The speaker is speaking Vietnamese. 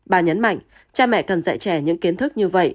bà nhấn mạnh cha mẹ cần dạy trẻ những kiến thức như vậy